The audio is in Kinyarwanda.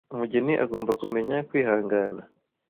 Umugeni agomba kumenya Kwihangana